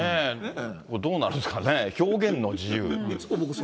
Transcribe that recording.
これ、どうなんですかね、表現の自由。